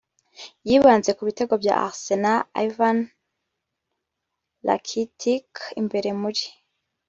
Yibanze Kubitego bya Arsenal Ivan Rakitic Imbere muri